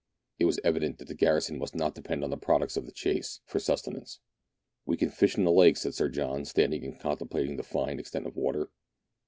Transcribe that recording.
It was evident that the garrison must not depend on the products of the chase for sustenance. " We can fish in the lake," said Sir John, standing and contemplating the fine extent of water.